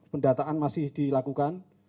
pendataan masih dilakukan